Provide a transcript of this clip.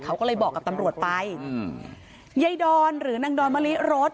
เขาก็เลยบอกกับตำรวจไปอืมยายดอนหรือนางดอนมะลิรส